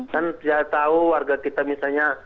kan saya tahu warga kita misalnya